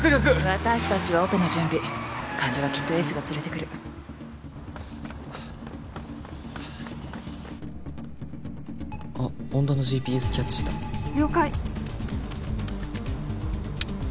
私達はオペの準備患者はきっとエースが連れてくるあっ恩田のＧＰＳキャッチした了解